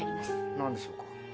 なんでしょうか？